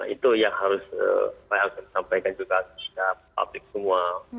itu yang harus disampaikan juga kepada publik semua